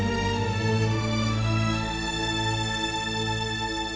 aku mau ke sana